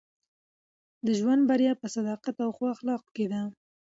د ژوند بریا په صداقت او اخلاقو کښي ده.